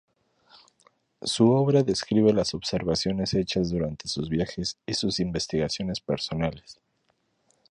Su obra describe las observaciones hechas durante sus viajes y sus investigaciones personales.